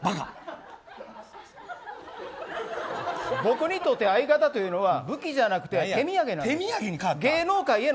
僕にとって相方というのは武器じゃなくて手土産なんです。